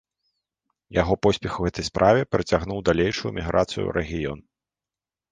Яго поспех у гэтай справе прыцягнуў далейшую міграцыі ў рэгіён.